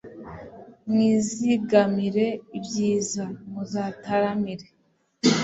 mwizigamire ibyiza, muzataramire